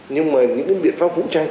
nhưng mà những cái biện pháp vũ trang